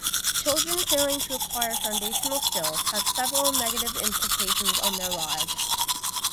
Children failing to acquire foundational skills has several negative implications on their lives.